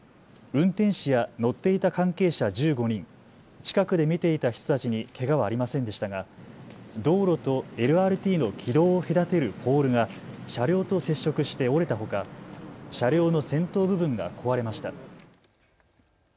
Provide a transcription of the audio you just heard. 運転士や乗っていた関係者１５人、近くで見ていた人たちにけがはありませんでしたが道路とＬＲＴの軌道を隔てるポールが車両と接触して折れたほか車両の先頭部分が壊れました。